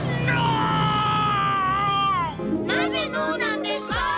なぜ「ノー」なんですか！？